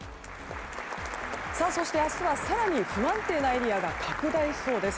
そして、明日は更に不安定なエリアが拡大しそうです。